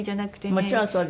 もちろんそうです。